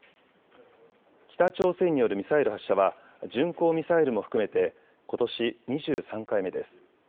北朝鮮によるミサイル発射は巡航ミサイルも含めて、ことし２３回目です。